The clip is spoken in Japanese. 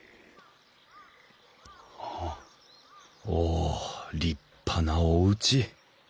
お立派なおうち。